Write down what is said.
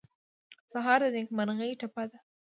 سهار د نېکمرغۍ ټپه ده.